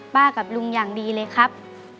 กับลุงอย่างดีเลยครับ